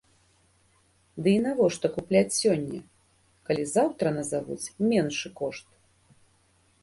Ды і навошта купляць сёння, калі заўтра назавуць меншы кошт?